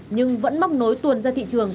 nhưng vẫn móc nối tuần ra thị trường